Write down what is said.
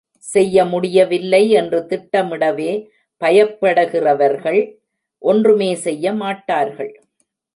செய்ய முடியவில்லை என்று திட்ட மிடவே பயப்படுகிறவர்கள் ஒன்றுமே செய்ய மாட்டார்கள்.